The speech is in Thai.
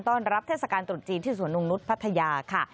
ต้อนรับเทศกาลตรุษจีนที่สวนนงนุษย์พัทยาค่ะ